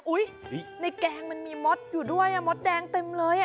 อุ๊ยในแกงมันมีม็อตอยู่ด้วยม็อตแดงเต็มเลย